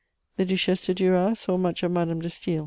The Duchesse de Duras saw much of Madame de Staël.